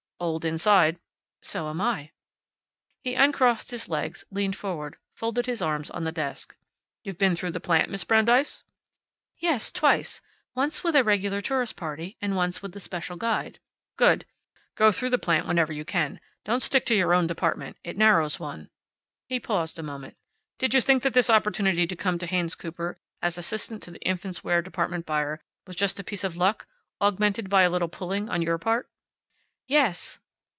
"Old inside." "So am I." He uncrossed his legs, leaned forward, folded his arms on the desk. "You've been through the plant, Miss Brandeis?" "Yes. Twice. Once with a regular tourist party. And once with the special guide." "Good. Go through the plant whenever you can. Don't stick to your own department. It narrows one." He paused a moment. "Did you think that this opportunity to come to Haynes Cooper, as assistant to the infants' wear department buyer was just a piece of luck, augmented by a little pulling on your part?" "Yes."